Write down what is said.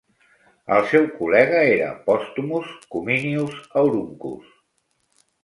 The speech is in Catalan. El seu col·lega era Postumus Cominius Auruncus.